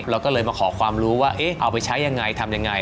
เราก็เลยมาขอความรู้ว่าเอาไปใช้ยังไงทำยังไง